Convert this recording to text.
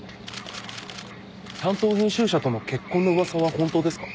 担当編集者との結婚の噂は本当ですか？